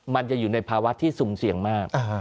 มันจะอยู่ในภาวะที่สุ่มเสี่ยงมาก